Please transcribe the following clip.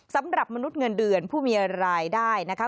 สำหรับมนุษย์เงินเดือนผู้มีรายได้นะคะ